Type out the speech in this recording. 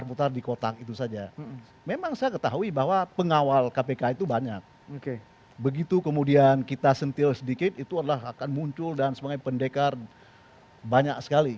bung doni ini wajah pemerintahan jadinya